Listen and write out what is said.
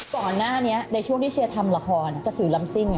ก่อนหน้านี้ในช่วงที่เชียร์ทำละครกระสือลำซิ่ง